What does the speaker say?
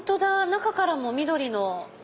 中からも緑の。